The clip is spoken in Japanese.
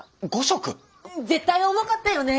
絶対重かったよね。